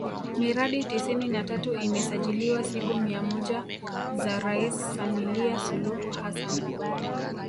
Miradi tisini na tatu imesajiliwa siku mia moja za Rais Samilia Suluhu Hassan